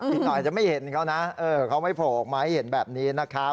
อีกหน่อยจะไม่เห็นเขานะเขาไม่โผล่ออกมาให้เห็นแบบนี้นะครับ